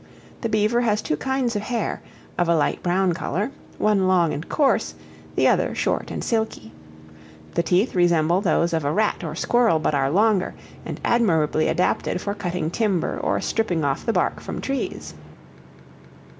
The Beaver has two kinds of hair, of a light brown color, one long and coarse, the other short and silky. The teeth resemble those of a rat or squirrel, but are longer, and admirably adapted for cutting timber or stripping off the bark from trees.